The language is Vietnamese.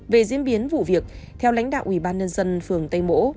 về diễn biến vụ việc theo lãnh đạo ủy ban nhân dân phường tây mỗ